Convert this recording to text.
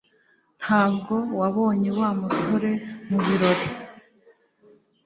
Ntabwo wabonye Wa musore mubirori